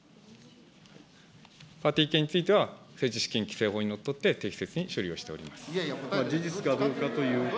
パーティー券については、政治資金規正法にのっとって、適切に処理をしております。